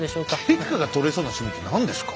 天下が取れそうな趣味って何ですか。